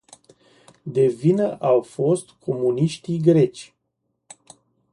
De vină au fost comuniștii greci.